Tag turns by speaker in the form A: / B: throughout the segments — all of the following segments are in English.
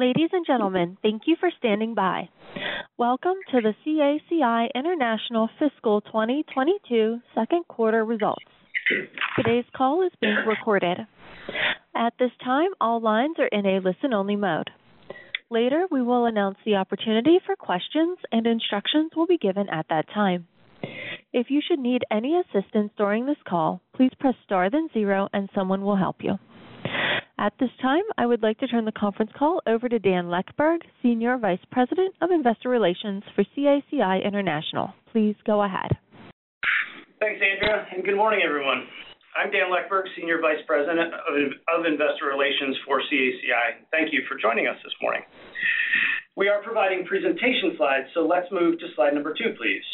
A: Ladies and gentlemen, thank you for standing by. Welcome to the CACI International Fiscal 2022 Q2 Results. Today's call is being recorded. At this time, all lines are in a listen-only mode. Later, we will announce the opportunity for questions, and instructions will be given at that time. If you should need any assistance during this call, please press Star, then zero, and someone will help you. At this time, I would like to turn the conference call over to Dan Leckburg, Senior Vice President of Investor Relations for CACI International. Please go ahead.
B: Thanks, Andrea, and good morning, everyone. I'm Dan Leckburg, Senior Vice President of Investor Relations for CACI. Thank you for joining us this morning. We are providing presentation slides, so let's move to slide number two, please.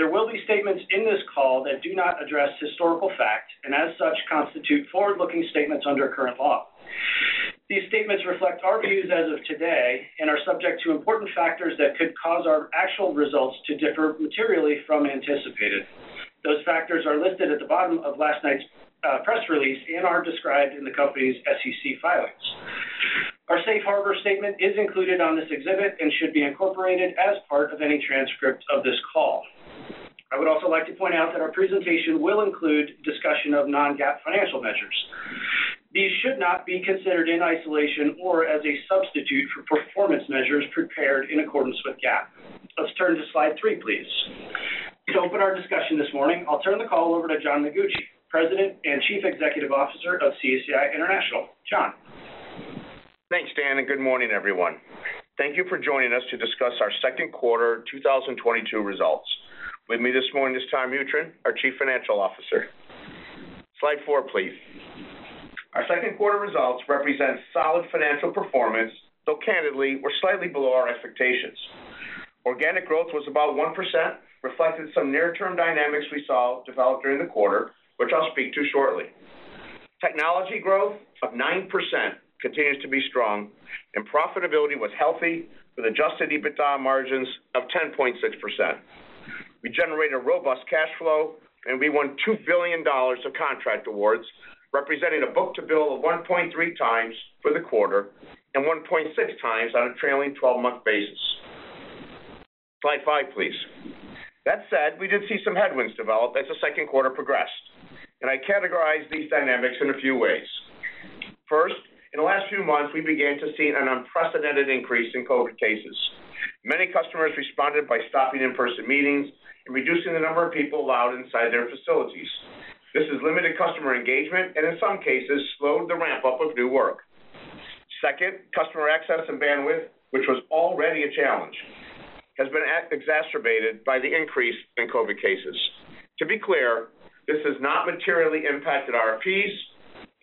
B: There will be statements in this call that do not address historical fact, and as such, constitute forward-looking statements under current law. These statements reflect our views as of today and are subject to important factors that could cause our actual results to differ materially from anticipated. Those factors are listed at the bottom of last night's press release and are described in the company's SEC filings. Our safe harbor statement is included on this exhibit and should be incorporated as part of any transcript of this call. I would also like to point out that our presentation will include discussion of non-GAAP financial measures. These should not be considered in isolation or as a substitute for performance measures prepared in accordance with GAAP. Let's turn to slide three, please. To open our discussion this morning, I'll turn the call over to John Mengucci, President and Chief Executive Officer of CACI International. John.
C: Thanks, Dan, and good morning, everyone. Thank you for joining us to discuss our Q2 2022 results. With me this morning is Tom Mutryn, our Chief Financial Officer. Slide four, please. Our Q2 results represent solid financial performance, though candidly, we're slightly below our expectations. Organic growth was about 1%, reflecting some near-term dynamics we saw developed during the quarter, which I'll speak to shortly. Technology growth of 9% continues to be strong, and profitability was healthy with adjusted EBITDA margins of 10.6%. We generated robust cash flow, and we won $2 billion of contract awards, representing a book-to-bill of 1.3 times for the quarter and 1.6 times on a trailing 12-month basis. Slide five, please. That said, we did see some headwinds develop as the Q2 progressed, and I categorize these dynamics in a few ways. First, in the last few months, we began to see an unprecedented increase in COVID cases. Many customers responded by stopping in-person meetings and reducing the number of people allowed inside their facilities. This has limited customer engagement and, in some cases, slowed the ramp-up of new work. Second, customer access and bandwidth, which was already a challenge, has been exacerbated by the increase in COVID cases. To be clear, this has not materially impacted RFPs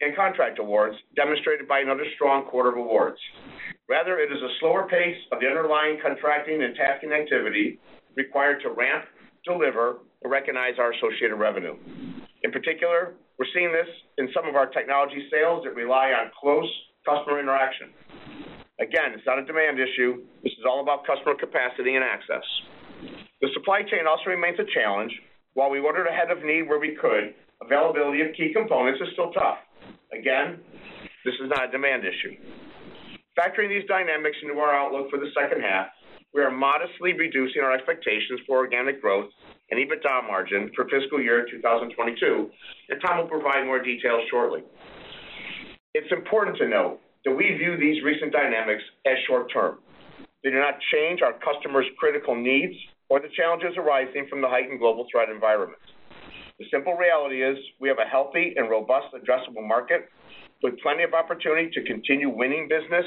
C: and contract awards, demonstrated by another strong quarter of awards. Rather, it is a slower pace of the underlying contracting and tasking activity required to ramp, deliver, or recognize our associated revenue. In particular, we're seeing this in some of our technology sales that rely on close customer interaction. Again, it's not a demand issue. This is all about customer capacity and access. The supply chain also remains a challenge. While we ordered ahead of need where we could, availability of key components is still tough. Again, this is not a demand issue. Factoring these dynamics into our outlook for the H2, we are modestly reducing our expectations for organic growth and EBITDA margin for fiscal year 2022, and Tom will provide more details shortly. It's important to note that we view these recent dynamics as short-term. They do not change our customers' critical needs or the challenges arising from the heightened global threat environment. The simple reality is we have a healthy and robust addressable market with plenty of opportunity to continue winning business,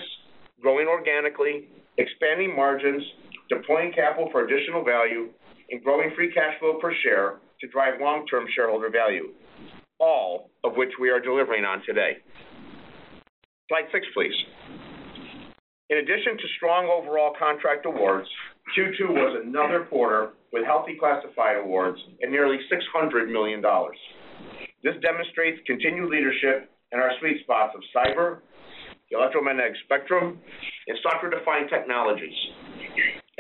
C: growing organically, expanding margins, deploying capital for additional value, and growing free cash flow per share to drive long-term shareholder value, all of which we are delivering on today. Slide 6, please. In addition to strong overall contract awards, Q2 was another quarter with healthy classified awards and nearly $600 million. This demonstrates continued leadership in our sweet spots of cyber, the electromagnetic spectrum, and software-defined technologies.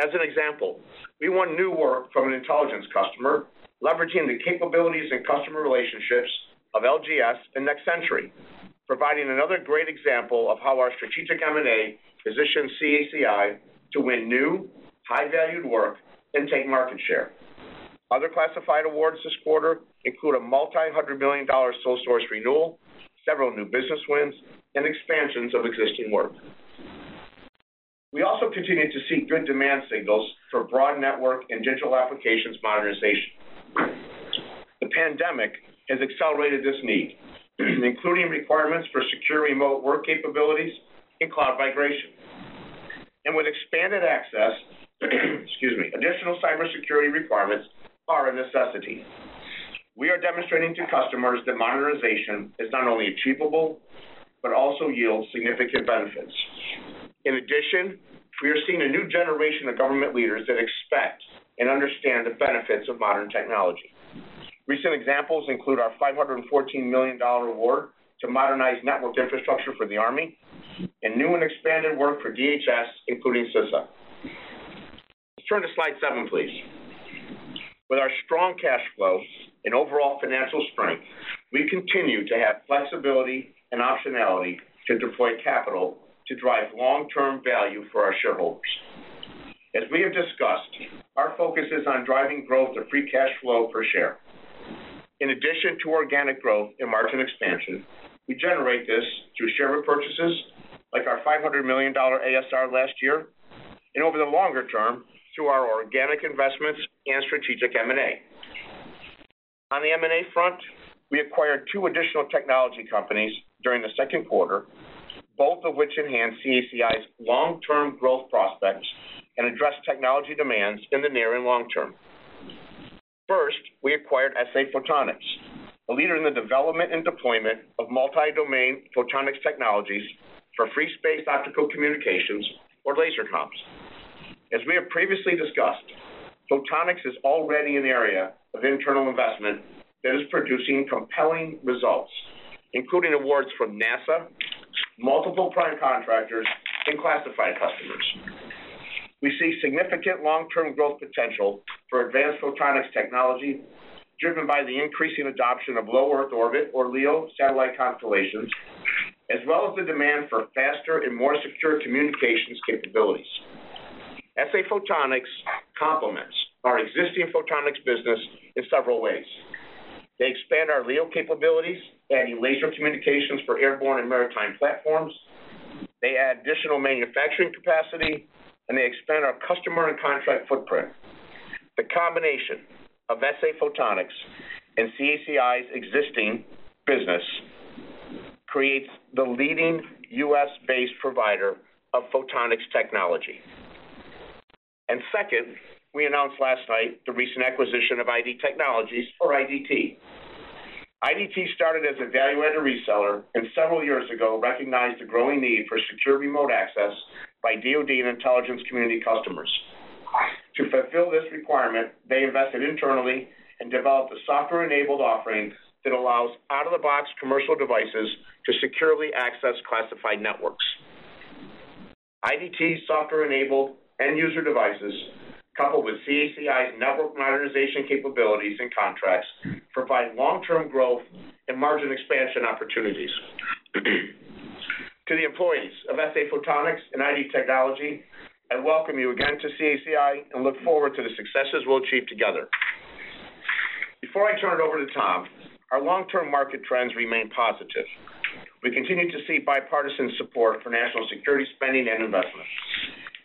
C: As an example, we won new work from an intelligence customer leveraging the capabilities and customer relationships of LGS and Next Century, providing another great example of how our strategic M&A positions CACI to win new, high-valued work and take market share. Other classified awards this quarter include a multi-hundred million dollar sole source renewal, several new business wins, and expansions of existing work. We also continue to see good demand signals for broad network and digital applications modernization. The pandemic has accelerated this need, including requirements for secure remote work capabilities and cloud migration. With expanded access, excuse me, additional cybersecurity requirements are a necessity. We are demonstrating to customers that modernization is not only achievable but also yields significant benefits. In addition, we are seeing a new generation of government leaders that expect and understand the benefits of modern technology. Recent examples include our $514 million award to modernize network infrastructure for the Army and new and expanded work for DHS, including CISA. Let's turn to slide seven, please. Strong cash flow and overall financial strength, we continue to have flexibility and optionality to deploy capital to drive long-term value for our shareholders. As we have discussed, our focus is on driving growth of free cash flow per share. In addition to organic growth and margin expansion, we generate this through share repurchases like our $500 million ASR last year, and over the longer term, through our organic investments and strategic M&A. On the M&A front, we acquired two additional technology companies during the Q2, both of which enhance CACI's long-term growth prospects and address technology demands in the near and long term. First, we acquired SA Photonics, a leader in the development and deployment of multi-domain photonics technologies for free space optical communications or laser comms. As we have previously discussed, photonics is already an area of internal investment that is producing compelling results, including awards from NASA, multiple prime contractors and classified customers. We see significant long-term growth potential for advanced photonics technology, driven by the increasing adoption of low-Earth orbit or LEO satellite constellations, as well as the demand for faster and more secure communications capabilities. SA Photonics complements our existing photonics business in several ways. They expand our LEO capabilities, adding laser communications for airborne and maritime platforms. They add additional manufacturing capacity, and they expand our customer and contract footprint. The combination of SA Photonics and CACI's existing business creates the leading U.S.-based provider of photonics technology. Second, we announced last night the recent acquisition of ID Technologies or IDT. IDT started as a value-added reseller and several years ago recognized the growing need for secure remote access by DoD and intelligence community customers. To fulfill this requirement, they invested internally and developed a software-enabled offering that allows out-of-the-box commercial devices to securely access classified networks. IDT's software-enabled end user devices, coupled with CACI's network modernization capabilities and contracts, provide long-term growth and margin expansion opportunities. To the employees of SA Photonics and ID Technologies, I welcome you again to CACI and look forward to the successes we'll achieve together. Before I turn it over to Tom, our long-term market trends remain positive. We continue to see bipartisan support for national security spending and investment.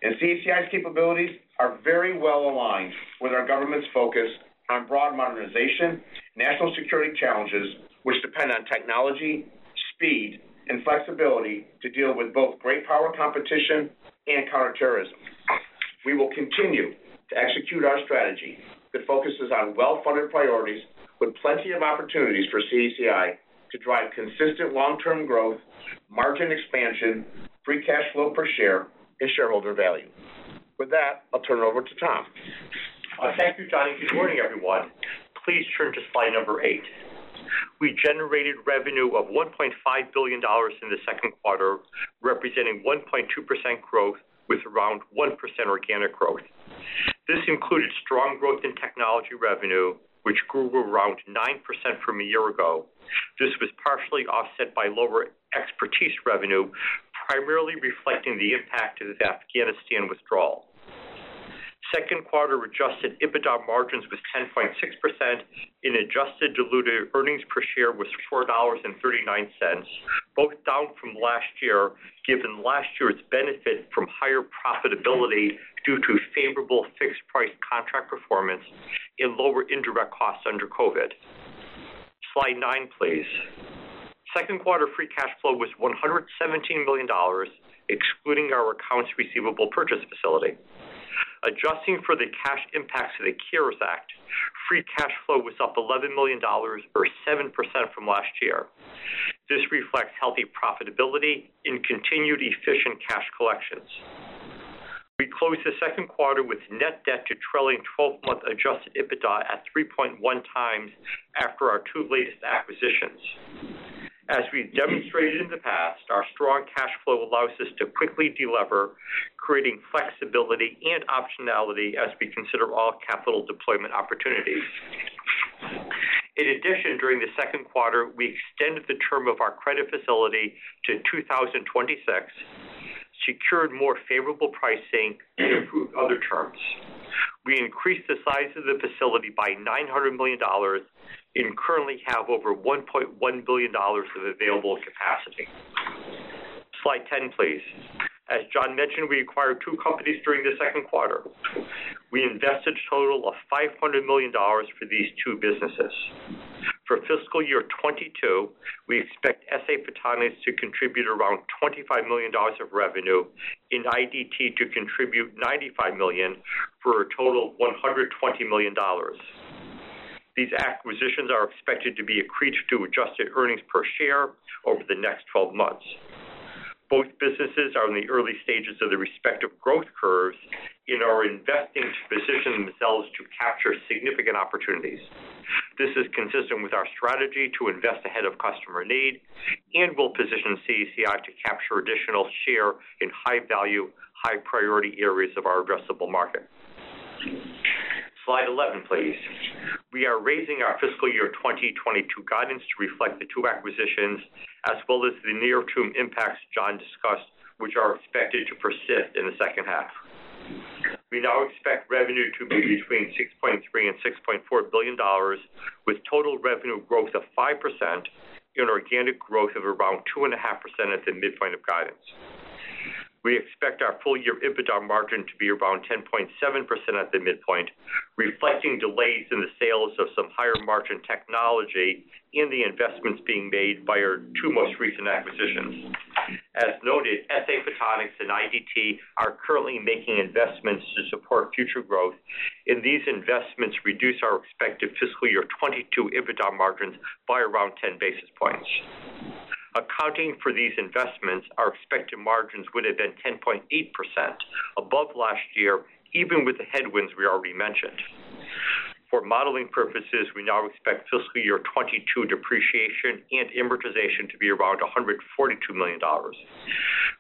C: CACI's capabilities are very well aligned with our government's focus on broad modernization, national security challenges, which depend on technology, speed, and flexibility to deal with both great power competition and counterterrorism. We will continue to execute our strategy that focuses on well-funded priorities with plenty of opportunities for CACI to drive consistent long-term growth, margin expansion, free cash flow per share, and shareholder value. With that, I'll turn it over to Tom.
D: Thank you, John, and good morning, everyone. Please turn to slide 8. We generated revenue of $1.5 billion in the Q2, representing 1.2% growth with around 1% organic growth. This included strong growth in technology revenue, which grew around 9% from a year ago. This was partially offset by lower expertise revenue, primarily reflecting the impact of the Afghanistan withdrawal. Q2 adjusted EBITDA margins was 10.6% and adjusted diluted earnings per share was $4.39, both down from last year, given last year's benefit from higher profitability due to favorable fixed-price contract performance and lower indirect costs under COVID. Slide 9, please. Q2 free cash flow was $117 million, excluding our accounts receivable purchase facility. Adjusting for the cash impacts of the CARES Act, free cash flow was up $11 million or 7% from last year. This reflects healthy profitability and continued efficient cash collections. We closed the Q2 with net debt to trailing twelve-month adjusted EBITDA at 3.1 times after our two latest acquisitions. As we've demonstrated in the past, our strong cash flow allows us to quickly deliver, creating flexibility and optionality as we consider all capital deployment opportunities. In addition, during the Q2, we extended the term of our credit facility to 2026, secured more favorable pricing, and improved other terms. We increased the size of the facility by $900 million and currently have over $1.1 billion of available capacity. Slide 10, please. As John mentioned, we acquired two companies during the Q2. We invested a total of $500 million for these two businesses. For fiscal year 2022, we expect SA Photonics to contribute around $25 million of revenue, and IDT to contribute $95 million for a total of $120 million. These acquisitions are expected to be accretive to adjusted earnings per share over the next 12 months. Both businesses are in the early stages of their respective growth curves and are investing to position themselves to capture significant opportunities. This is consistent with our strategy to invest ahead of customer need and will position CACI to capture additional share in high value, high priority areas of our addressable market. Slide 11, please. We are raising our fiscal year 2022 guidance to reflect the two acquisitions as well as the near-term impacts John discussed, which are expected to persist in the H2. We now expect revenue to be between $6.3 billion and $6.4 billion, with total revenue growth of 5% and organic growth of around 2.5% at the midpoint of guidance. We expect our full-year EBITDA margin to be around 10.7% at the midpoint, reflecting delays in the sales of some higher-margin technology in the investments being made by our two most recent acquisitions. As noted, SA Photonics and IDT are currently making investments to support future growth, and these investments reduce our expected fiscal year 2022 EBITDA margins by around 10 basis points. Accounting for these investments, our expected margins would have been 10.8% above last year, even with the headwinds we already mentioned. For modeling purposes, we now expect fiscal year 2022 depreciation and amortization to be around $142 million.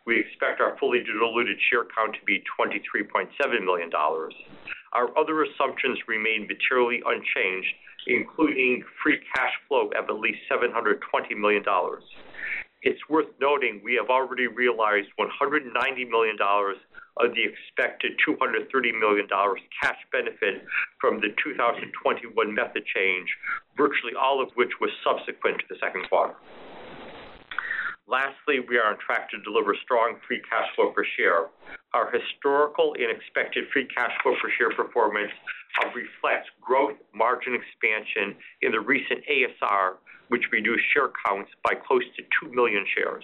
D: We expect our fully diluted share count to be 23.7 million shares. Our other assumptions remain materially unchanged, including free cash flow of at least $720 million. It's worth noting we have already realized $190 million of the expected $230 million cash benefit from the 2021 method change, virtually all of which was subsequent to the Q2. Lastly, we are on track to deliver strong free cash flow per share. Our historical and expected free cash flow per share performance reflects growth margin expansion in the recent ASR, which reduced share counts by close to 2 million shares.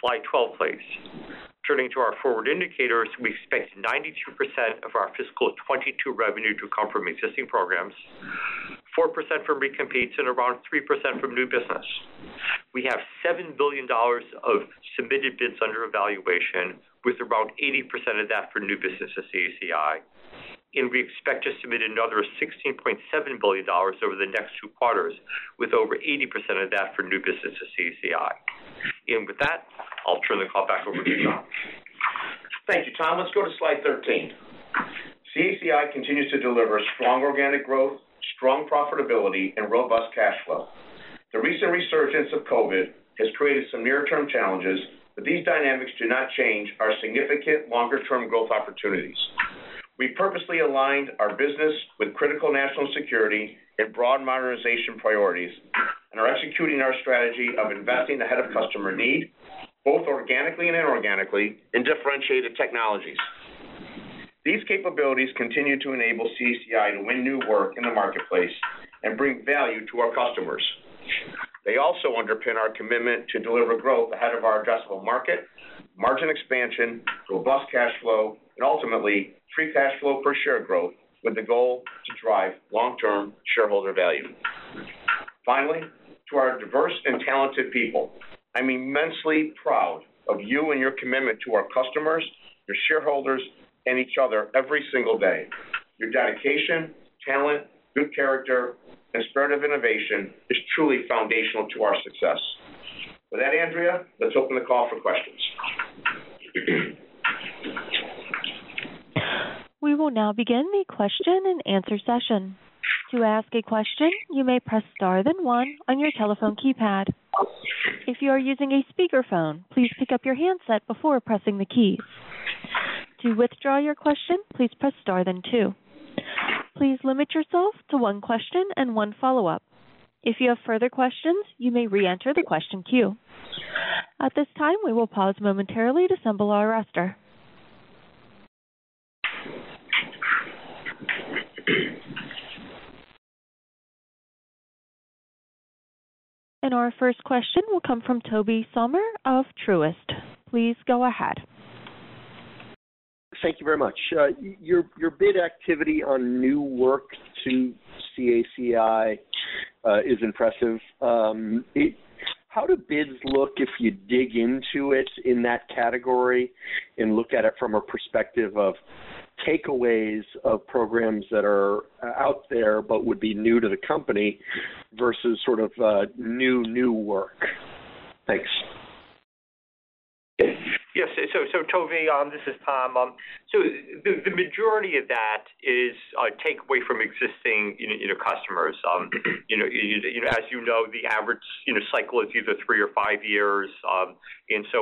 D: Slide 12, please. Turning to our forward indicators, we expect 92% of our fiscal 2022 revenue to come from existing programs, 4% from recompetes and around 3% from new business. We have $7 billion of submitted bids under evaluation, with around 80% of that for new business to CACI. We expect to submit another $16.7 billion over the next 2 quarters, with over 80% of that for new business to CACI. With that, I'll turn the call back over to John.
C: Thank you, Tom. Let's go to slide 13. CACI continues to deliver strong organic growth, strong profitability and robust cash flow. The recent resurgence of COVID has created some near-term challenges, but these dynamics do not change our significant longer-term growth opportunities. We purposely aligned our business with critical national security and broad modernization priorities, and are executing our strategy of investing ahead of customer need, both organically and inorganically in differentiated technologies. These capabilities continue to enable CACI to win new work in the marketplace and bring value to our customers. They also underpin our commitment to deliver growth ahead of our addressable market, margin expansion, robust cash flow and ultimately free cash flow per share growth with the goal to drive long-term shareholder value. Finally, to our diverse and talented people, I'm immensely proud of you and your commitment to our customers, your shareholders, and each other every single day. Your dedication, talent, good character, and spirit of innovation is truly foundational to our success. With that, Andrea, let's open the call for questions.
A: We will now begin the question and answer session. To ask a question, you may press star then one on your telephone keypad. If you are using a speakerphone, please pick up your handset before pressing the key. To withdraw your question, please press star then two. Please limit yourself to one question and one follow-up. If you have further questions, you may re-enter the question queue. At this time, we will pause momentarily to assemble our roster. Our first question will come from Tobey Sommer of Truist. Please go ahead.
E: Thank you very much. Your bid activity on new work to CACI is impressive. How do bids look if you dig into it in that category and look at it from a perspective of takeaways of programs that are out there but would be new to the company versus sort of new work? Thanks.
D: Yes. Tobey, this is Tom. The majority of that is takeaway from existing, you know, customers. You know, as you know, the average cycle is either 3 or 5 years.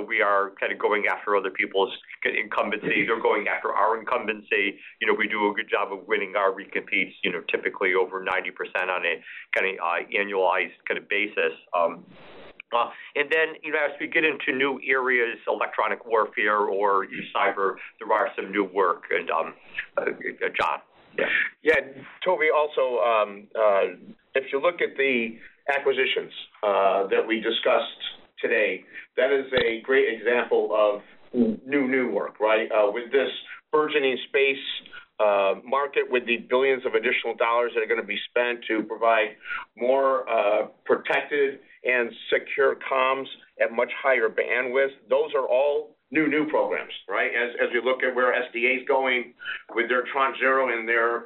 D: We are kind of going after other people's incumbencies or going after our incumbency. You know, we do a good job of winning our recompetes, you know, typically over 90% on a kind of annualized kind of basis. You know, as we get into new areas, electronic warfare or cyber, there are some new work. John.
C: Yeah. Tobey, also, if you look at the acquisitions that we discussed today, that is a great example of new work, right? With this burgeoning space market, with the billions of additional dollars that are going to be spent to provide more protected and secure comms at much higher bandwidth, those are all new programs, right? As you look at where SDA is going with their Tranche 0 and their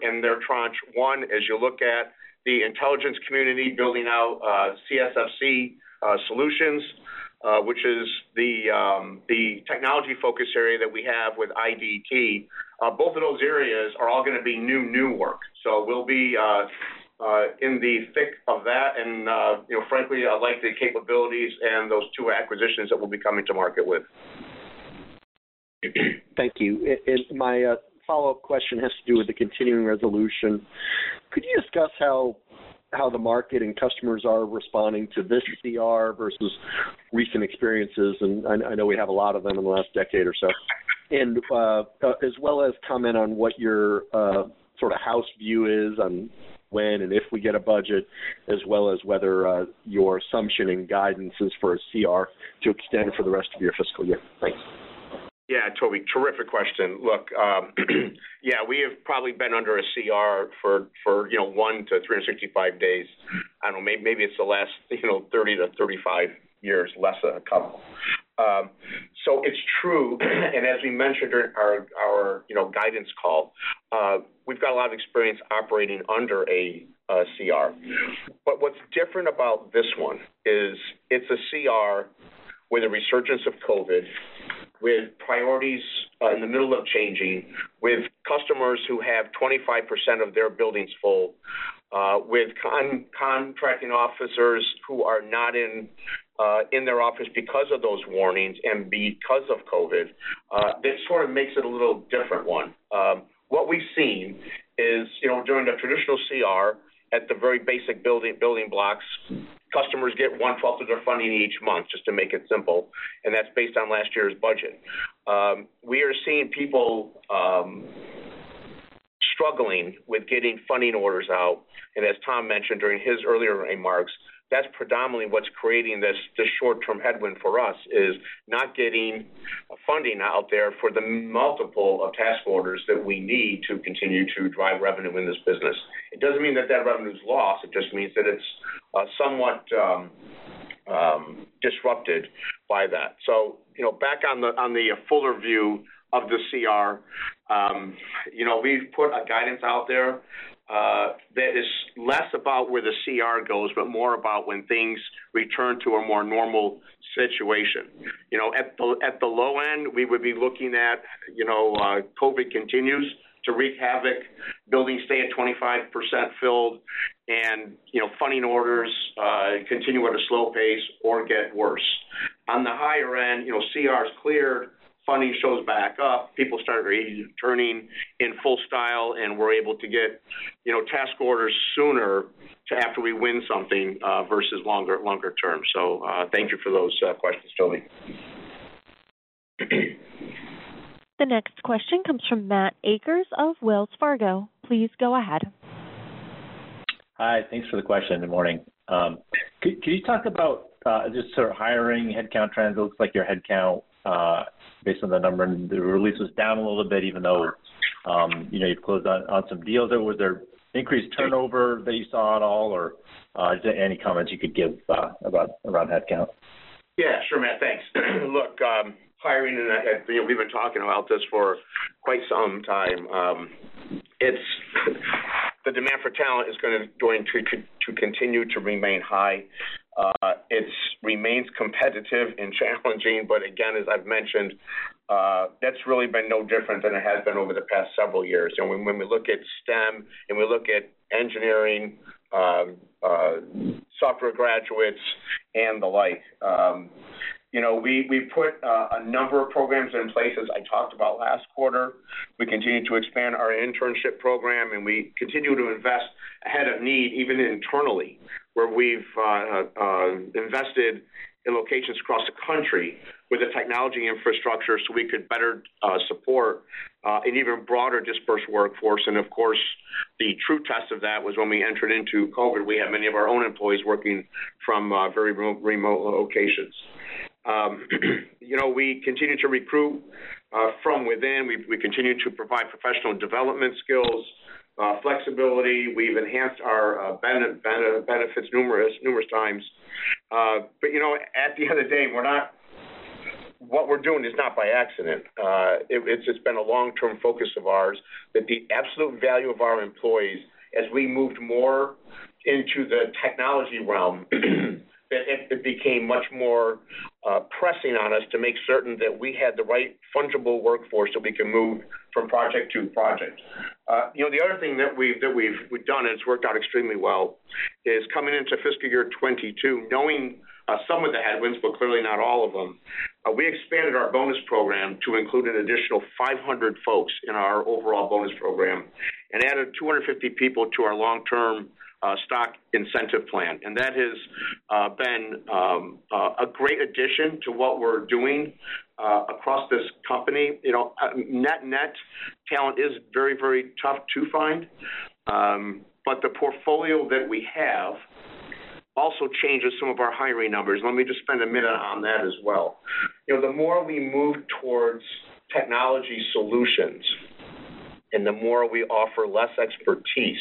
C: Tranche 1, as you look at the intelligence community building out CSfC solutions, which is the technology focus area that we have with IDT. Both of those areas are all gonna be new work. We'll be in the thick of that and, you know, frankly, I like the capabilities and those two acquisitions that we'll be coming to market with.
E: Thank you. My follow-up question has to do with the continuing resolution. Could you discuss how the market and customers are responding to this CR versus recent experiences? I know we have a lot of them in the last decade or so, as well as comment on what your sorta house view is on when and if we get a budget, as well as whether your assumption and guidance is for a CR to extend for the rest of your fiscal year. Thanks.
C: Yeah, Tobey, terrific question. Look, yeah, we have probably been under a CR for you know, 1 to 365 days. I don't know, maybe it's the last you know, 30 to 35 years, less a couple. It's true, and as we mentioned during our you know, guidance call, we've got a lot of experience operating under a CR. But what's different about this one is it's a CR with a resurgence of COVID, with priorities in the middle of changing, with customers who have 25% of their buildings full, with contracting officers who are not in their office because of those warnings and because of COVID. This sort of makes it a little different one. What we've seen is, you know, during a traditional CR at the very basic building blocks, customers get one-twelfth of their funding each month, just to make it simple, and that's based on last year's budget. We are seeing people struggling with getting funding orders out, and as Tom mentioned during his earlier remarks, that's predominantly what's creating this short-term headwind for us is not getting funding out there for the multiple of task orders that we need to continue to drive revenue in this business. It doesn't mean that revenue is lost. It just means that it's somewhat disrupted by that. You know, back on the fuller view of the CR, you know, we've put a guidance out there that is less about where the CR goes, but more about when things return to a more normal situation. You know, at the low end, we would be looking at, you know, COVID continues to wreak havoc, buildings stay at 25% filled, and, you know, funding orders continue at a slow pace or get worse. On the higher end, you know, CRs clear, funding shows back up, people start returning in full style, and we're able to get, you know, task orders sooner to after we win something versus longer term. Thank you for those questions, Tobey.
A: The next question comes from Matt Akers of Wells Fargo. Please go ahead.
F: Hi. Thanks for the question. Good morning. Could you talk about just sort of hiring headcount trends? It looks like your headcount, based on the number in the release was down a little bit, even though, you know, you've closed on some deals. Was there increased turnover that you saw at all or is there any comments you could give about, around headcount?
C: Sure, Matt. Thanks. Look, hiring and, you know, we've been talking about this for quite some time. The demand for talent is gonna continue to remain high. It remains competitive and challenging, but again, as I've mentioned, that's really been no different than it has been over the past several years. You know, when we look at STEM and we look at engineering, software graduates and the like, you know, we put a number of programs in place I talked about last quarter. We continue to expand our internship program, and we continue to invest ahead of need, even internally, where we've invested in locations across the country with the technology infrastructure so we could better support an even broader dispersed workforce. Of course, the true test of that was when we entered into COVID. We had many of our own employees working from very remote locations. You know, we continue to recruit from within. We continue to provide professional development skills, flexibility. We've enhanced our benefits numerous times. But you know, at the end of the day, what we're doing is not by accident. It's just been a long-term focus of ours that the absolute value of our employees as we moved more into the technology realm, it became much more pressing on us to make certain that we had the right fungible workforce so we can move from project to project. You know, the other thing that we've done, and it's worked out extremely well, is coming into fiscal year 2022, knowing some of the headwinds, but clearly not all of them, we expanded our bonus program to include an additional 500 folks in our overall bonus program and added 250 people to our long-term stock incentive plan. That has been a great addition to what we're doing across this company. You know, net-net talent is very, very tough to find, but the portfolio that we have also changes some of our hiring numbers. Let me just spend a minute on that as well. You know, the more we move towards technology solutions and the more we offer less expertise,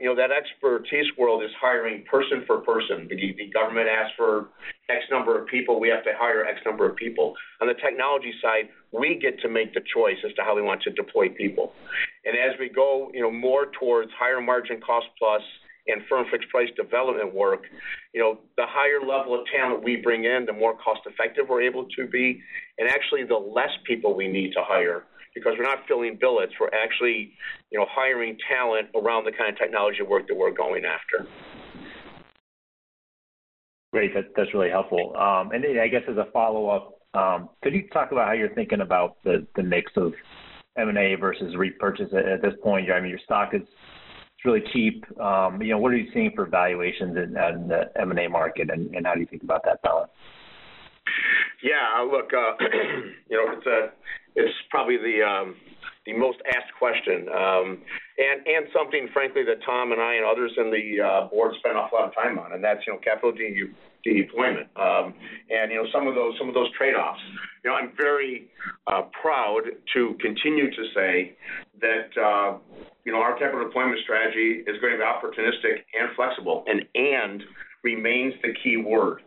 C: you know, that expertise world is hiring person for person. The government asks for X number of people, we have to hire X number of people. On the technology side, we get to make the choice as to how we want to deploy people. As we go, you know, more towards higher margin cost plus and firm fixed price development work, you know, the higher level of talent we bring in, the more cost-effective we're able to be, and actually the less people we need to hire because we're not filling billets. We're actually, you know, hiring talent around the kind of technology work that we're going after.
F: Great. That's really helpful. I guess as a follow-up, could you talk about how you're thinking about the mix of M&A versus repurchase at this point? I mean, your stock is really cheap. You know, what are you seeing for valuations in the M&A market, and how do you think about that balance?
C: Yeah. Look, you know, it's probably the most asked question, and something frankly that Tom and I and others in the board spend an awful lot of time on, and that's, you know, capital deployment. And, you know, some of those trade-offs. You know, I'm very proud to continue to say that, you know, our capital deployment strategy is going to be opportunistic and flexible, and "and" remains the key word.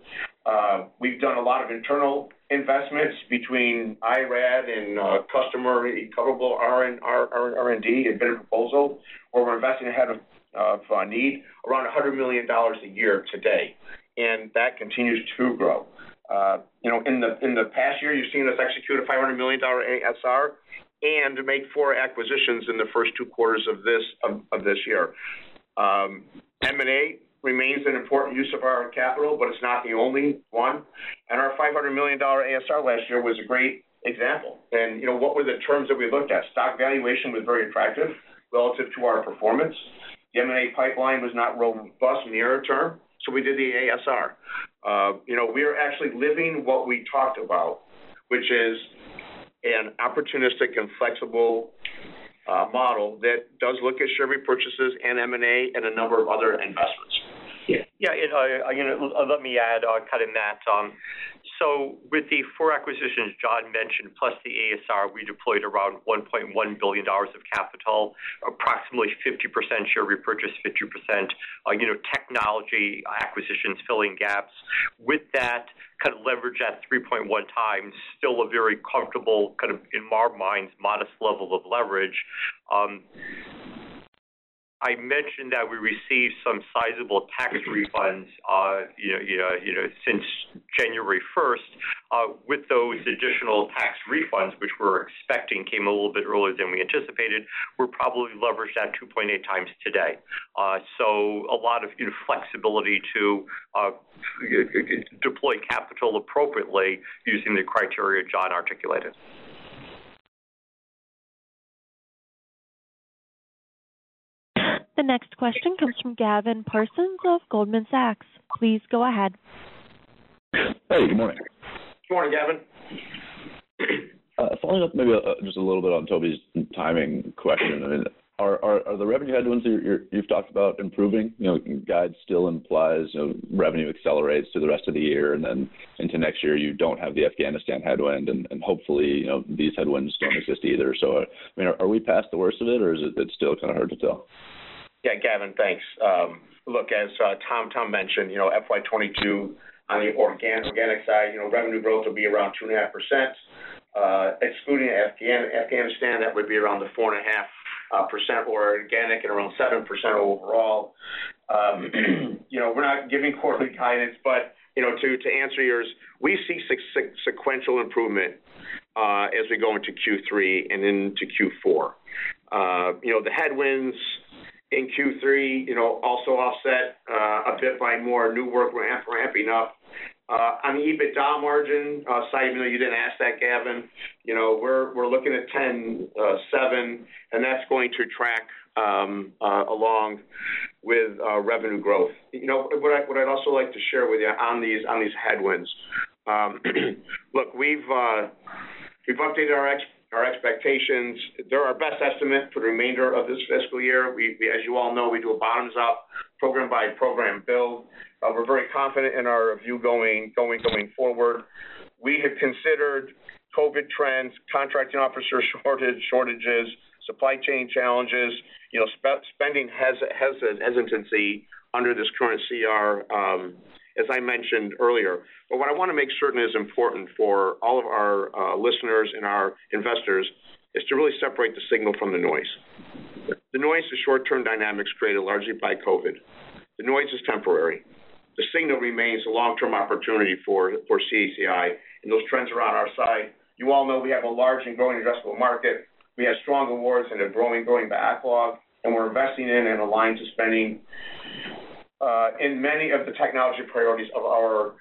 C: We've done a lot of internal investments between IRAD and customer billable R&D and better proposal, where we're investing ahead of need around $100 million a year to date. That continues to grow. You know, in the past year, you've seen us execute a $500 million ASR and make 4 acquisitions in the first 2 quarters of this year. M&A remains an important use of our capital, but it's not the only one. Our $500 million ASR last year was a great example. You know, what were the terms that we looked at? Stock valuation was very attractive relative to our performance. The M&A pipeline was not robust in the near term, so we did the ASR. You know, we are actually living what we talked about, which is an opportunistic and flexible model that does look at share repurchases and M&A and a number of other investments.
D: Yeah. Again, let me add or cut in that. With the four acquisitions John mentioned, plus the ASR, we deployed around $1.1 billion of capital, approximately 50% share repurchase, 50%, you know, technology acquisitions, filling gaps. With that kind of leverage at 3.1 times, still a very comfortable, kind of, in our minds, modest level of leverage. I mentioned that we received some sizable tax refunds, you know, since January first. With those additional tax refunds, which we're expecting came a little bit earlier than we anticipated, we're probably leveraged at 2.8 times today. A lot of flexibility to redeploy capital appropriately using the criteria John articulated.
A: The next question comes from Gavin Parsons of Goldman Sachs. Please go ahead.
G: Hey, good morning.
C: Good morning, Gavin.
G: Following up maybe just a little bit on Tobey's timing question. I mean, are the revenue headwinds you've talked about improving. You know, guide still implies, you know, revenue accelerates through the rest of the year and then into next year, you don't have the Afghanistan headwind and hopefully, you know, these headwinds don't exist either. I mean, are we past the worst of it or is it still kind of hard to tell?
C: Yeah, Gavin, thanks. Look, as Tom mentioned, you know, FY 2022 on the organic side, you know, revenue growth will be around 2.5%. Excluding Afghanistan, that would be around the 4.5% for organic and around 7% overall. You know, we're not giving corporate guidance, but, you know, to answer yours, we see sequential improvement as we go into Q3 and into Q4. You know, the headwinds in Q3 also offset a bit by more new work we're ramping up. On the EBITDA margin side, even though you didn't ask that, Gavin, you know, we're looking at 10.7, and that's going to track along with revenue growth. You know, what I'd also like to share with you on these headwinds. Look, we've updated our expectations. They're our best estimate for the remainder of this fiscal year. We as you all know, we do a bottoms up program by program build. We're very confident in our view going forward. We have considered COVID trends, contracting officer shortages, supply chain challenges, you know, spending hesitancy under this current CR, as I mentioned earlier. What I wanna make certain is important for all of our listeners and our investors is to really separate the signal from the noise. The noise is short-term dynamics created largely by COVID. The noise is temporary. The signal remains a long-term opportunity for CACI, and those trends are on our side. You all know we have a large and growing addressable market. We have strong awards and a growing backlog, and we're investing in and aligned to spending in many of the technology priorities of our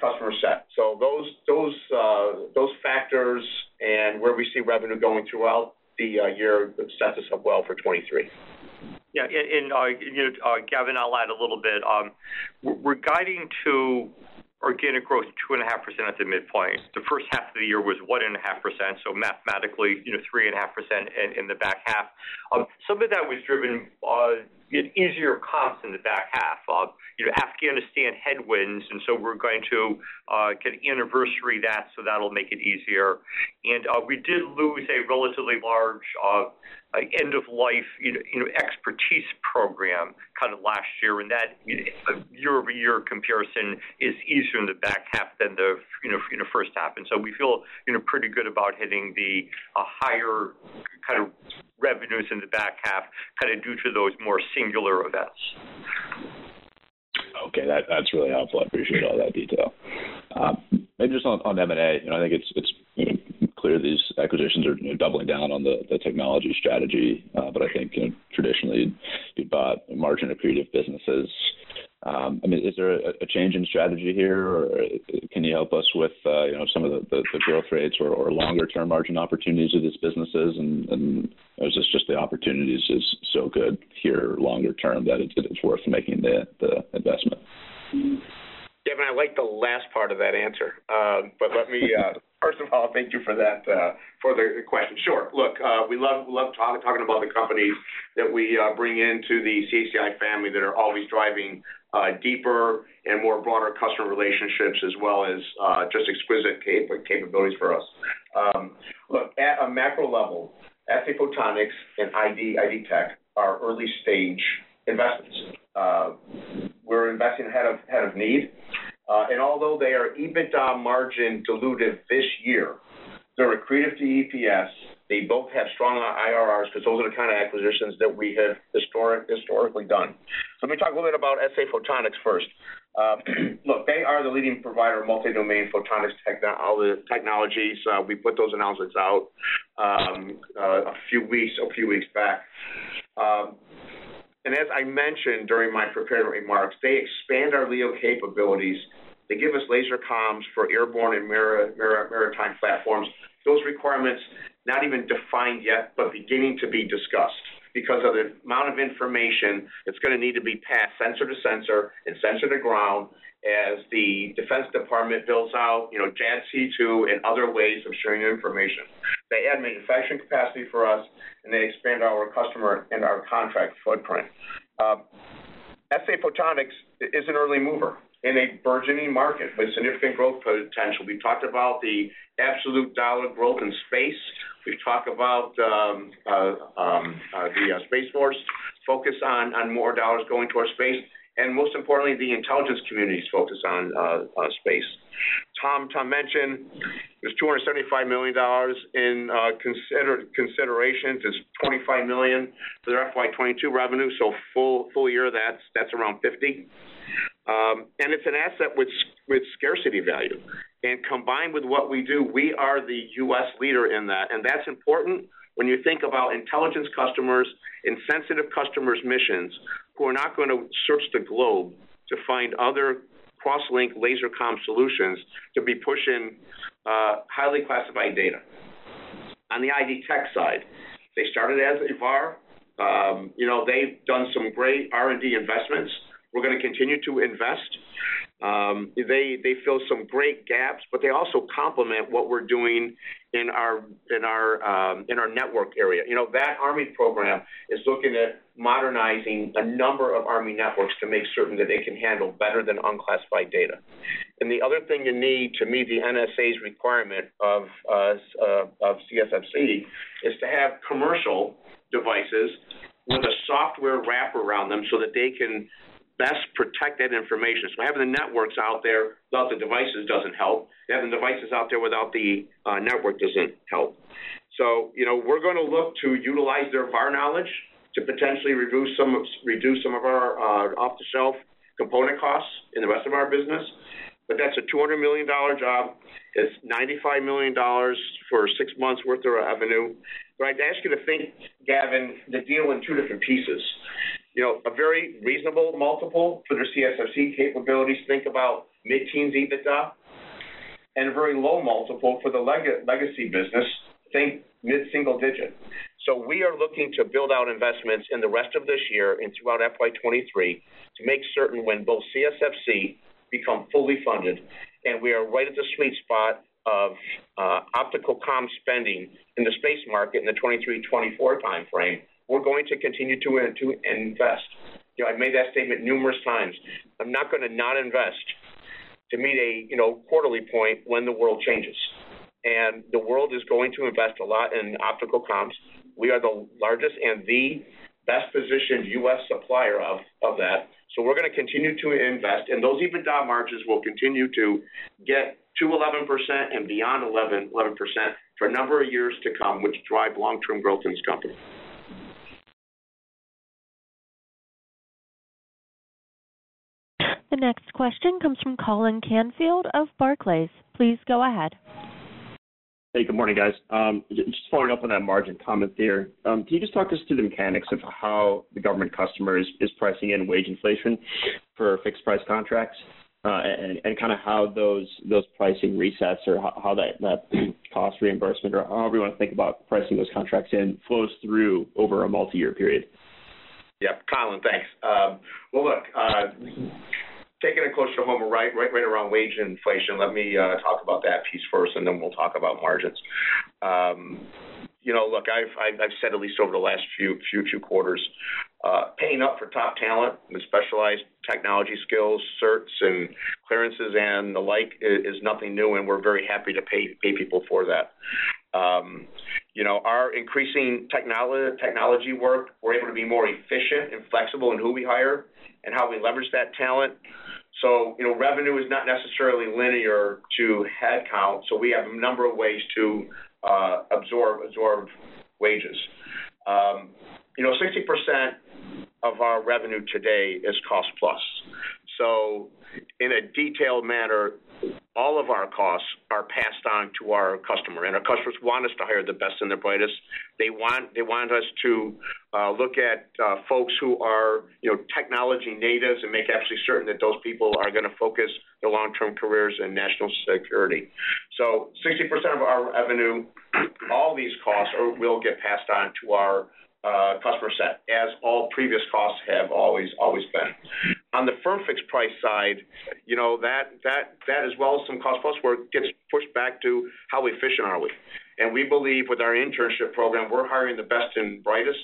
C: customer set. Those factors and where we see revenue going throughout the year sets us up well for 2023.
D: Gavin, I'll add a little bit. We're guiding to organic growth 2.5% at the midpoint. The H1 of the year was 1.5%, so mathematically, you know, 3.5% in the back half. Some of that was driven by easier comps in the back half of Afghanistan headwinds, and we're going to kind of anniversary that, so that'll make it easier. We did lose a relatively large end of life expertise program last year, and that year-over-year comparison is easier in the back half than the H1. We feel, you know, pretty good about hitting the higher kind of revenues in the back half, kind of due to those more singular events.
G: Okay, that's really helpful. I appreciate all that detail. Maybe just on M&A. You know, I think it's clear these acquisitions are doubling down on the technology strategy. But I think, you know, traditionally, you bought margin accretive businesses. I mean, is there a change in strategy here, or can you help us with, you know, some of the growth rates or longer-term margin opportunities of these businesses? Is this just the opportunities is so good here longer term that it's worth making the investment?
C: Gavin, I like the last part of that answer. Let me first of all thank you for that, for the question. Sure. Look, we love talking about the companies that we bring into the CACI family that are always driving deeper and more broader customer relationships as well as just exquisite capabilities for us. Look, at a macro level, SA Photonics and ID Tech are early-stage investments. We're investing ahead of need. And although they are EBITDA margin dilutive this year, they're accretive to EPS. They both have strong IRRs 'cause those are the kind of acquisitions that we have historically done. Let me talk a little bit about SA Photonics first. Look, they are the leading provider of multi-domain photonics technologies. We put those announcements out a few weeks back. As I mentioned during my prepared remarks, they expand our LEO capabilities. They give us laser comms for airborne and maritime platforms. Those requirements not even defined yet, but beginning to be discussed because of the amount of information that's gonna need to be passed sensor to sensor and sensor to ground as the Defense Department builds out, you know, JADC2 and other ways of sharing information. They add manufacturing capacity for us, and they expand our customer and our contract footprint. SA Photonics is an early mover in a burgeoning market with significant growth potential. We talked about the absolute dollar growth in space. We talk about the Space Force focus on more dollars going towards space, and most importantly, the intelligence community's focus on space. Tom mentioned there's $275 million in consideration. There's $25 million to their FY 2022 revenue, so full year, that's around $50 million. And it's an asset with scarcity value. Combined with what we do, we are the U.S. leader in that, and that's important when you think about intelligence customers and sensitive customers' missions who are not gonna search the globe to find other cross-link laser comm solutions to be pushing highly classified data. On the ID Tech side, they started as a VAR. You know, they've done some great R&D investments. We're gonna continue to invest. They fill some great gaps, but they also complement what we're doing in our network area. You know, that Army program is looking at modernizing a number of Army networks to make certain that they can handle better than unclassified data. The other thing you need to meet the NSA's requirement of CSfC is to have commercial devices with a software wrap around them so that they can best protect that information. Having the networks out there without the devices doesn't help. Having devices out there without the network doesn't help. You know, we're gonna look to utilize their VAR knowledge to potentially reduce some of our off-the-shelf component costs in the rest of our business. That's a $200 million job. It's $95 million for six months worth of revenue. I'd ask you to think, Gavin, the deal in two different pieces. You know, a very reasonable multiple for their CSfC capabilities. Think about mid-teens EBITDA. A very low multiple for the legacy business. Think mid-single digit. We are looking to build out investments in the rest of this year and throughout FY 2023 to make certain when both CSfC become fully funded, and we are right at the sweet spot of optical comm spending in the space market in the 2023 and 2024 timeframe, we're going to continue to invest. You know, I've made that statement numerous times. I'm not gonna not invest to meet a quarterly point when the world changes. The world is going to invest a lot in optical comms. We are the largest and the best-positioned U.S. supplier of that. We're gonna continue to invest, and those EBITDA margins will continue to get to 11% and beyond for a number of years to come, which drive long-term growth in this company.
G: The next question comes from Colin Canfield of Barclays. Please go ahead.
H: Hey, good morning, guys. Just following up on that margin comment there. Can you just talk us through the mechanics of how the government customer is pricing in wage inflation for fixed price contracts? Kind of how those pricing resets or how that cost reimbursement or however you wanna think about pricing those contracts in flows through over a multiyear period.
C: Yeah, Colin, thanks. Well, look, taking it closer to home, right around wage inflation, let me talk about that piece first, and then we'll talk about margins. You know, look, I've said at least over the last few quarters, paying up for top talent and specialized technology skills, certs and clearances and the like is nothing new, and we're very happy to pay people for that. You know, our increasing technology work, we're able to be more efficient and flexible in who we hire and how we leverage that talent. You know, revenue is not necessarily linear to head count, so we have a number of ways to absorb wages. You know, 60% of our revenue today is cost plus. In a detailed manner, all of our costs are passed on to our customer, and our customers want us to hire the best and their brightest. They want us to look at folks who are, you know, technology natives and make absolutely certain that those people are gonna focus their long-term careers in national security. 60% of our revenue, all these costs will get passed on to our customer set, as all previous costs have always been. On the firm fixed price side, you know, that as well as some cost plus work gets pushed back to how efficient are we. We believe with our internship program, we're hiring the best and brightest.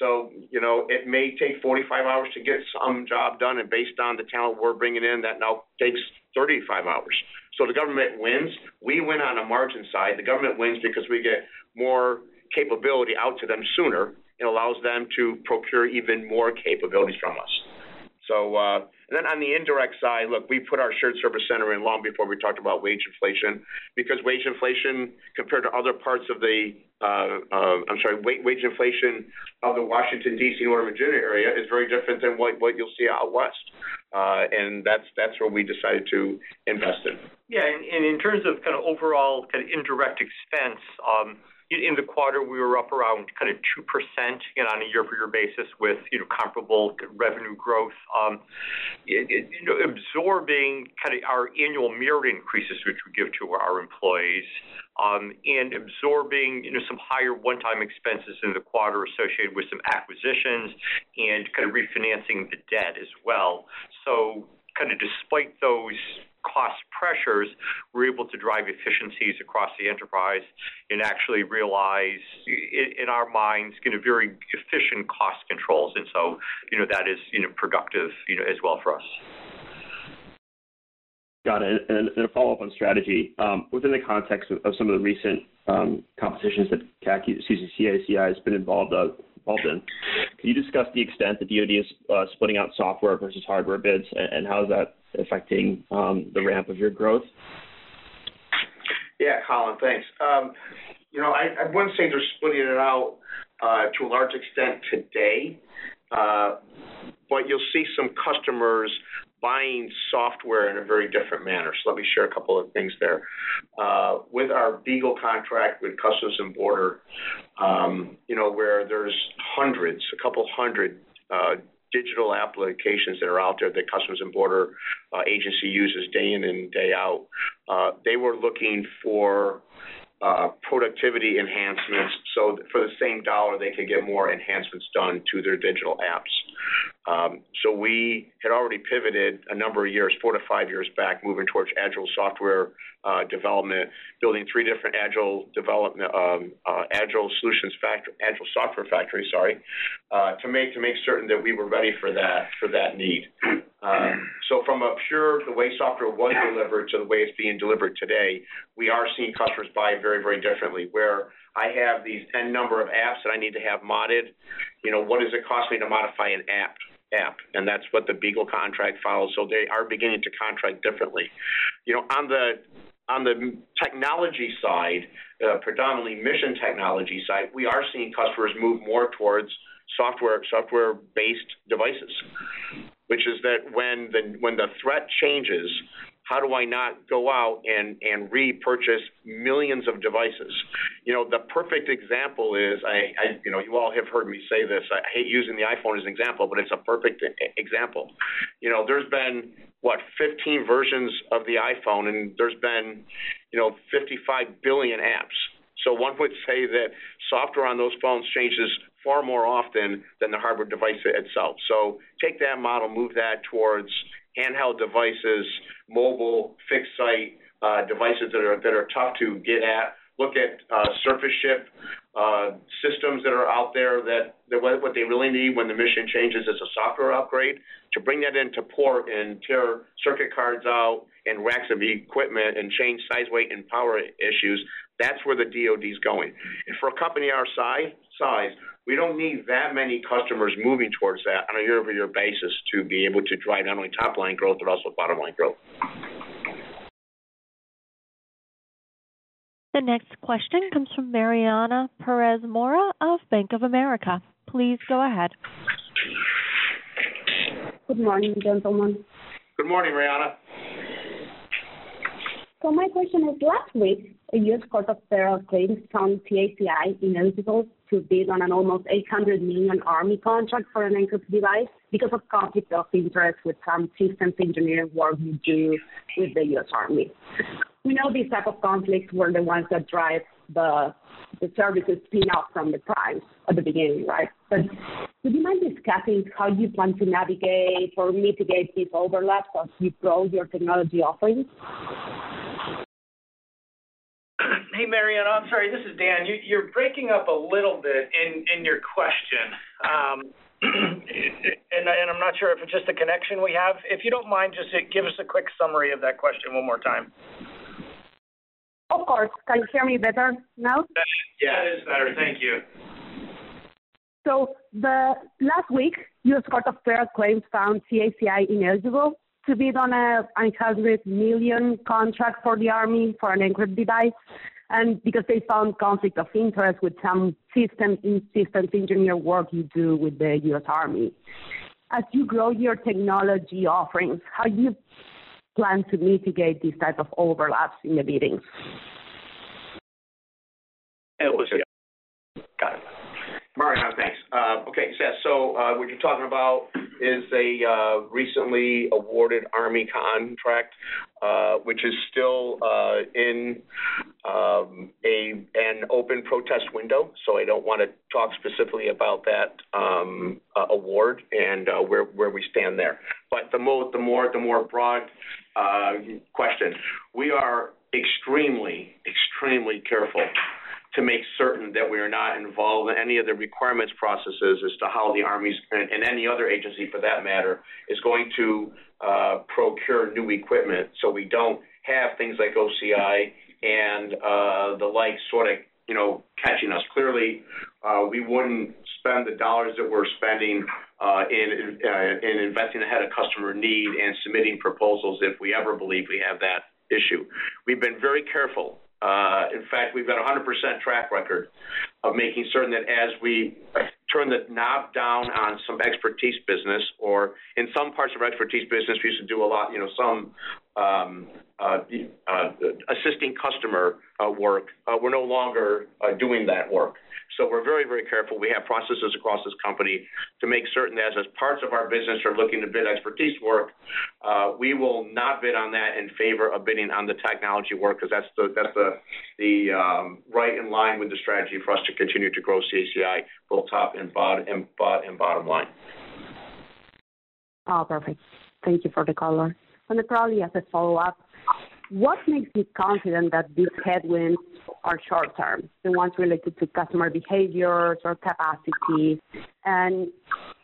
C: You know, it may take 45 hours to get some job done, and based on the talent we're bringing in, that now takes 35 hours. The government wins. We win on a margin side. The government wins because we get more capability out to them sooner. It allows them to procure even more capabilities from us. On the indirect side, look, we put our shared service center in long before we talked about wage inflation. Because wage inflation compared to other parts of the Washington, D.C., Northern Virginia area is very different than what you'll see out west. That's where we decided to invest in.
D: Yeah. In terms of kind of overall kind of indirect expense, in the quarter, we were up around kind of 2%, again, on a year-over-year basis with, you know, comparable revenue growth. You know, absorbing kind of our annual merit increases, which we give to our employees, and absorbing, you know, some higher one-time expenses in the quarter associated with some acquisitions and kind of refinancing the debt as well. Despite those cost pressures, we're able to drive efficiencies across the enterprise and actually realize in our minds kind of very efficient cost controls. You know, that is, you know, productive, you know, as well for us.
H: Got it. A follow-up on strategy. Within the context of some of the recent competitions that CACI has been involved in, can you discuss the extent the DoD is splitting out software versus hardware bids, and how is that affecting the ramp of your growth?
C: Yeah, Colin, thanks. You know, I wouldn't say they're splitting it out to a large extent today, but you'll see some customers buying software in a very different manner. Let me share a couple of things there. With our BEAGLE contract with Customs and Border Protection, you know, where there's hundreds, a couple hundred digital applications that are out there that Customs and Border Protection agency uses day in and day out, they were looking for productivity enhancements, so for the same dollar, they could get more enhancements done to their digital apps. We had already pivoted a number of years, 4-5 years back, moving towards agile software development, building three different agile software factories, to make certain that we were ready for that need. From purely the way software was delivered to the way it's being delivered today, we are seeing customers buy very differently. Where I have these n number of apps that I need to have MODDED, you know, what does it cost me to modify an app? And that's what the BEAGLE contract follows. They are beginning to contract differently. You know, on the technology side, predominantly mission technology side, we are seeing customers move more towards software-based devices, which is that when the threat changes, how do I not go out and repurchase millions of devices? You know, the perfect example is, you know, you all have heard me say this. I hate using the iPhone as an example, but it's a perfect example. You know, there's been, what, 15 versions of the iPhone, and there's been, you know, 55 billion apps. So one would say that software on those phones changes far more often than the hardware device itself. So take that model, move that towards handheld devices, mobile fixed site, devices that are tough to get at. Look at surface ship systems that are out there, that what they really need when the mission changes is a software upgrade. To bring that into port and tear circuit cards out and racks of equipment and change size, weight, and power issues, that's where the DoD's going. For a company our size, we don't need that many customers moving towards that on a year-over-year basis to be able to drive not only top line growth but also bottom line growth.
A: The next question comes from Mariana Perez Mora of Bank of America. Please go ahead.
I: Good morning, gentlemen.
C: Good morning, Mariana.
I: My question is, last week, a U.S. Court of Federal Claims found CACI ineligible to bid on an almost $800 million U.S. Army contract for an encrypted device because of conflict of interest with some systems engineering work you do with the U.S. Army. We know these type of conflicts were the ones that drive the services bump up the price at the beginning, right? Would you mind discussing how you plan to navigate or mitigate this overlap as you grow your technology offerings?
B: Hey, Mariana. I'm sorry. This is Dan. You're breaking up a little bit in your question. I'm not sure if it's just the connection we have. If you don't mind, just give us a quick summary of that question one more time.
I: Of course. Can you hear me better now?
C: Better. Yeah.
D: That is better. Thank you.
I: Last week, U.S. Court of Federal Claims found CACI ineligible to bid on an $800 million contract for the U.S. Army for an encryption device, and because they found conflict of interest with some systems engineer work you do with the U.S. Army. As you grow your technology offerings, how do you plan to mitigate these type of overlaps in the bidding?
C: It was- Got it. Mariana, thanks. Okay. What you're talking about is a recently awarded Army contract, which is still in an open protest window, so I don't wanna talk specifically about that award and where we stand there. The broader question, we are extremely careful to make certain that we are not involved in any of the requirements processes as to how the Army plans, and any other agency for that matter, is going to procure new equipment, so we don't have things like OCI and the like sort of, you know, catching us. Clearly, we wouldn't spend the dollars that we're spending in investing ahead of customer need and submitting proposals if we ever believe we have that issue. We've been very careful. In fact, we've got a 100% track record of making certain that as we turn the knob down on some expertise business or in some parts of expertise business, we used to do a lot, you know, some assisting customer work, we're no longer doing that work. We're very, very careful. We have processes across this company to make certain that as parts of our business are looking to bid expertise work, we will not bid on that in favor of bidding on the technology work 'cause that's the right in line with the strategy for us to continue to grow CACI both top and bottom line.
I: Oh, perfect. Thank you for the color. Probably as a follow-up, what makes you confident that these headwinds are short term, the ones related to customer behaviors or capacity?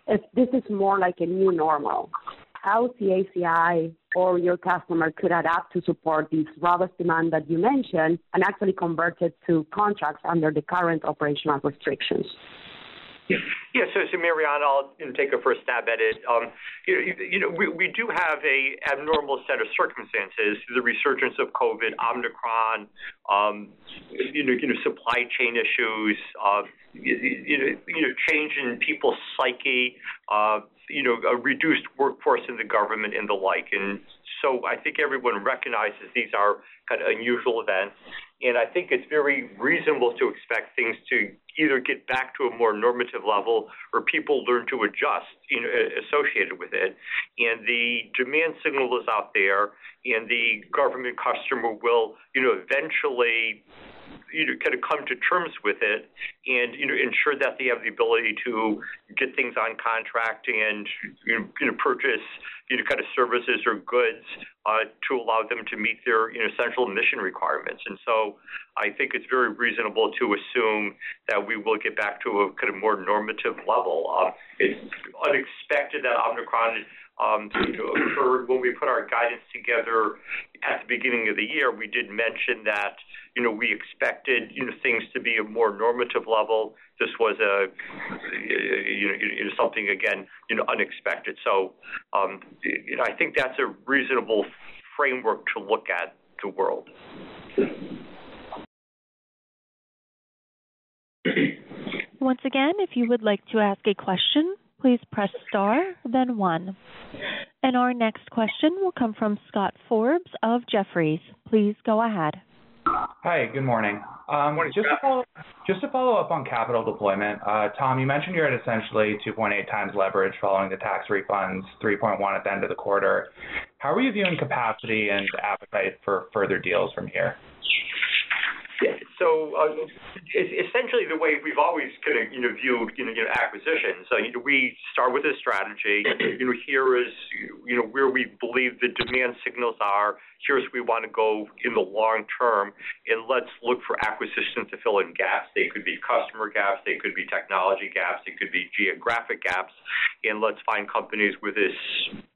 I: If this is more like a new normal, how CACI or your customer could adapt to support this robust demand that you mentioned and actually convert it to contracts under the current operational restrictions?
D: Yeah, Mariana, I'll, you know, take a first stab at it. You know, we do have an abnormal set of circumstances, the resurgence of COVID, Omicron, you know, supply chain issues, you know, change in people's psyche, you know, a reduced workforce in the government and the like. I think everyone recognizes these are kind of unusual events. I think it's very reasonable to expect things to either get back to a more normative level or people learn to adjust, you know, associated with it. The demand signal is out there, and the government customer will, you know, eventually, you know, kind of come to terms with it and, you know, purchase, you know, kind of services or goods to allow them to meet their, you know, central mission requirements. I think it's very reasonable to assume that we will get back to a kind of more normative level. It's unexpected that Omicron, you know, occurred when we put our guidance together at the beginning of the year. We did mention that, you know, we expected, you know, things to be a more normative level. This was a you know something again you know unexpected. You know, I think that's a reasonable framework to look at the world.
A: Once again, if you would like to ask a question, please press star then one. Our next question will come from Scott Forbes of Jefferies. Please go ahead.
J: Hi, good morning.
D: Morning, Scott.
J: Just to follow up on capital deployment. Tom, you mentioned you're at essentially 2.8 times leverage following the tax refunds, 3.1 at the end of the quarter. How are you viewing capacity and appetite for further deals from here?
D: Essentially the way we've always kind of, you know, viewed, you know, acquisitions. You know, we start with a strategy. You know, here is, you know, where we believe the demand signals are. Here is where we wanna go in the long term, and let's look for acquisitions to fill in gaps. They could be customer gaps, they could be technology gaps, they could be geographic gaps. Let's find companies with this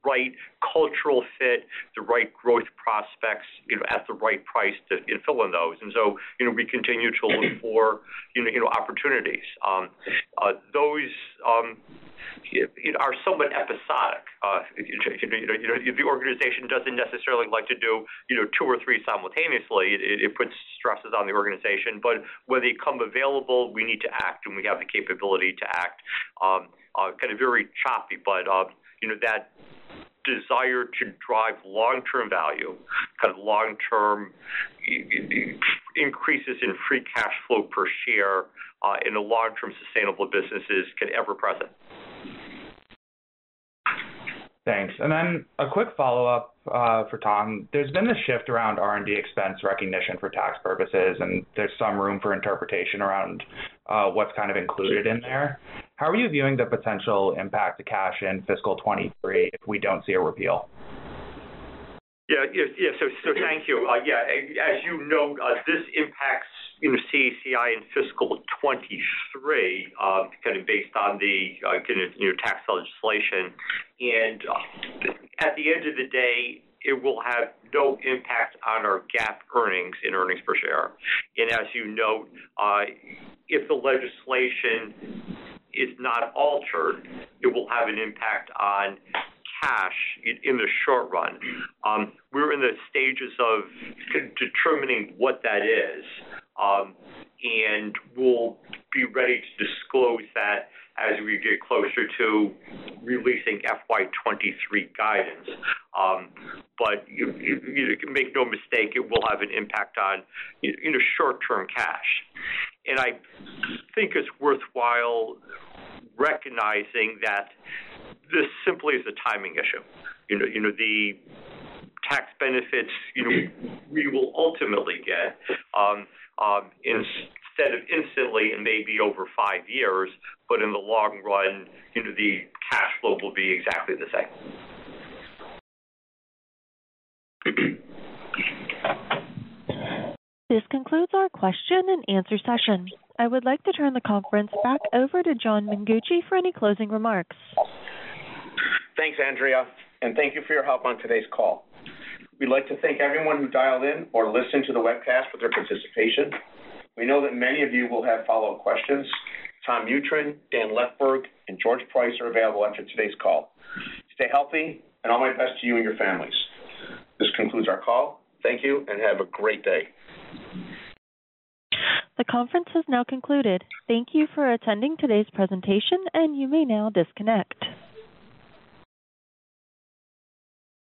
D: right cultural fit, the right growth prospects, you know, at the right price to, you know, fill in those. You know, we continue to look for, you know, opportunities. Those, you know, are somewhat episodic. You know, the organization doesn't necessarily like to do, you know, two or three simultaneously. It puts stresses on the organization. When they come available, we need to act, and we have the capability to act, kind of very choppy. You know, that desire to drive long-term value, kind of long-term increases in free cash flow per share, in the long term, sustainable businesses is kind of ever present.
J: Thanks. A quick follow-up for Tom. There's been a shift around R&D expense recognition for tax purposes, and there's some room for interpretation around what's kind of included in there. How are you viewing the potential impact to cash in fiscal 2023 if we don't see a repeal?
D: Yeah. Yes. Thank you. Yeah, as you know, this impacts, you know, CACI in fiscal 2023, based on the, you know, tax legislation. At the end of the day, it will have no impact on our GAAP earnings and earnings per share. As you note, if the legislation is not altered, it will have an impact on cash in the short run. We're in the stages of determining what that is. We'll be ready to disclose that as we get closer to releasing FY 2023 guidance. You make no mistake, it will have an impact on, you know, short-term cash. I think it's worthwhile recognizing that this simply is a timing issue. You know, the tax benefits, you know, we will ultimately get instead of instantly and maybe over five years, but in the long run, you know, the cash flow will be exactly the same.
A: This concludes our question and answer session. I would like to turn the conference back over to John Mengucci for any closing remarks.
C: Thanks, Andrea, and thank you for your help on today's call. We'd like to thank everyone who dialed in or listened to the webcast for their participation. We know that many of you will have follow-up questions. Tom Mutryn, Dan Leckburg, and George Price are available after today's call. Stay healthy, and all my best to you and your families. This concludes our call. Thank you, and have a great day.
A: The conference has now concluded. Thank you for attending today's presentation, and you may now disconnect.